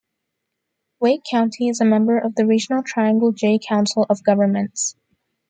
Wake County is a member of the regional Triangle J Council of Governments.